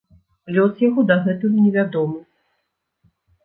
Лёс яго дагэтуль невядомы.